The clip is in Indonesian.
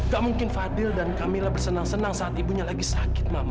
gak mungkin fadil dan kamilah bersenang senang saat ibunya lagi sakit mama